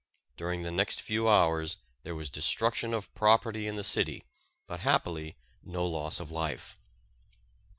During the next few hours, there was destruction of property in the city but happily no loss of life.